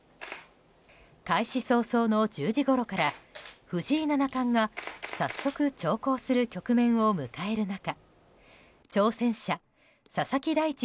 開始早々の１０時ごろから藤井七冠が早速、長考する局面を迎える中挑戦者・佐々木大地